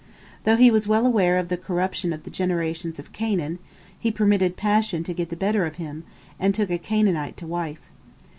Though he was well aware of the corruption of the generations of Canaan, he permitted passion to get the better of him, and took a Canaanite to wife.